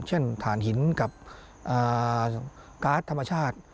ถ่านหินกับการ์ดธรรมชาติ